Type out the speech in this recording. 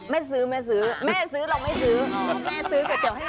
แม่ซื้อแม่ซื้อแม่ซื้อเราไม่ซื้อ